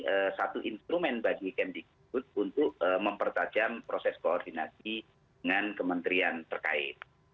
ada satu instrumen bagi kemdikbud untuk mempertajam proses koordinasi dengan kementerian terkait